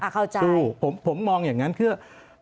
เข้าใจถูกผมมองอย่างนั้นเพื่ออ่ะเข้าใจ